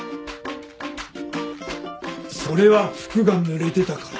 それは服がぬれてたから。